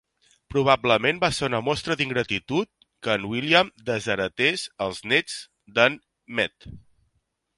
Probablement va ser una mostra d"ingratitud que en William desheretés els néts de"n Mead.